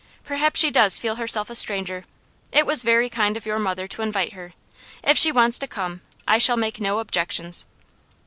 Perhaps she does feel herself a stranger. It was very kind of your mother to invite her. If she wants to come, I shall make no objections."